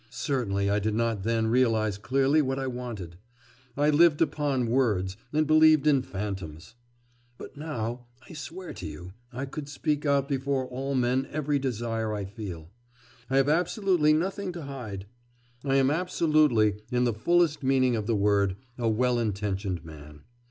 Certainly I did not then realise clearly what I wanted; I lived upon words, and believed in phantoms. But now, I swear to you, I could speak out before all men every desire I feel. I have absolutely nothing to hide; I am absolutely, in the fullest meaning of the word, a well intentioned man.